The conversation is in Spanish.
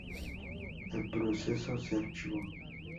El proceso se archivó.